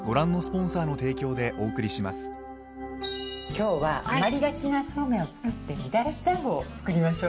今日は余りがちなそうめんを使ってみたらし団子を作りましょう。